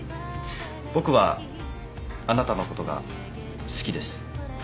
僕はあなたのことが好きです。